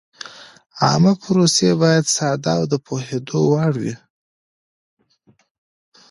عامه پروسې باید ساده او د پوهېدو وړ وي.